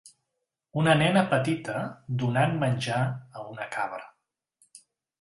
Una nena petita donant menjar a una cabra.